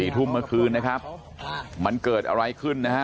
ทุ่มเมื่อคืนนะครับมันเกิดอะไรขึ้นนะฮะ